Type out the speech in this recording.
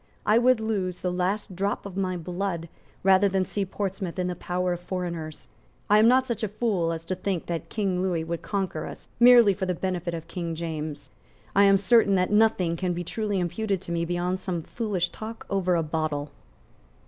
I would lose the last drop of my blood rather than see Portsmouth in the power of foreigners. I am not such a fool as to think that King Lewis will conquer us merely for the benefit of King James. I am certain that nothing can be truly imputed to me beyond some foolish talk over a bottle."